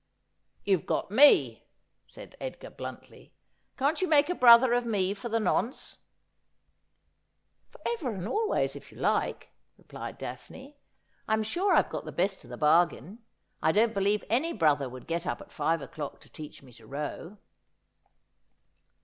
' You've got me,' said Edgar bluntly. ' Can't you make a brother of me for the nonce ?'' For ever and always, if you like,' replied Daphne. ' I'm F 82 Asphodel. sure I've got the best of the bargain. I don't believe any brother would get up at five o'clock to teach me to row.'